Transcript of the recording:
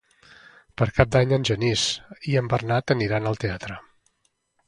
Per Cap d'Any en Genís i en Bernat aniran al teatre.